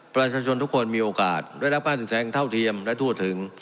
ประชาชนทุกคนมีโอกาสได้รับการศึกษาอย่างเท่าเทียมและทั่วถึง